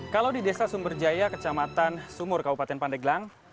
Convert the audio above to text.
kalau di desa sumberjaya kecamatan sumur kabupaten pandeglang